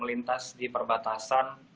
lintas di perbatasan